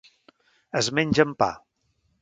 Es menja amb pa.